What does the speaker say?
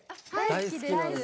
大好きです。